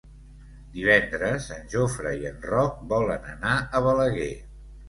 Divendres en Jofre i en Roc volen anar a Balaguer.